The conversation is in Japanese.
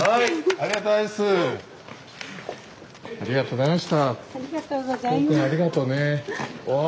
ありがとうございます。